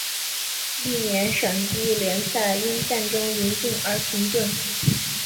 翌年省际联赛因战争临近而停顿。